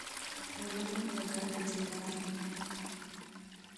ټولنه په ګډه جوړیږي.